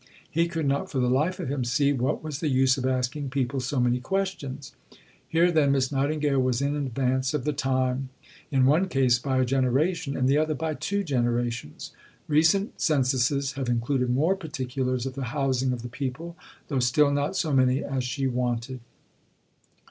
He could not for the life of him see what was the use of asking people so many questions. Here, then, Miss Nightingale was in advance of the time; in one case, by a generation, in the other, by two generations. Recent Censuses have included more particulars of the housing of the people, though still not so many as she wanted.